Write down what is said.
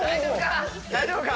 大丈夫か？